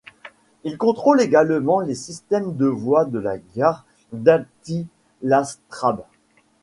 Il contrôle également les systèmes de voie de la gare d'Attilastraße.